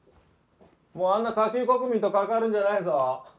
もうあんな下級国民と関わるんじゃないぞ。